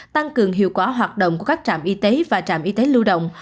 tăng cường hiệu quả hoạt động của các trạm y tế và trạm y tế lưu động